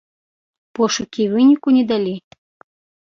Пошукі выніку не далі.